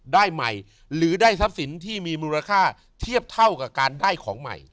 ได้ใหม่หรือได้ทรัพย์สินที่มีมูลค่าเทียบเท่ากับการได้ของใหม่